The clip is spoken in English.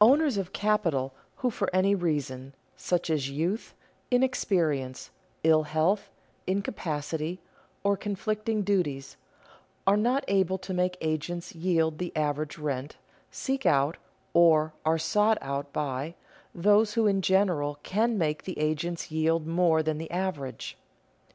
Owners of capital who for any reason, such as youth, inexperience, ill health, incapacity, or conflicting duties, are not able to make agents yield the average rent, seek out, or are sought out by, those who in general can make the agents yield more than the average.